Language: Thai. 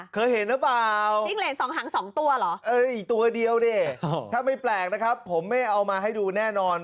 ค่ะจิ้งเหล็นสองหางสองตัวเหรออีกตัวเดียวนี่ถ้าไม่แปลกนะครับผมไม่เอามาให้ดูแน่นอน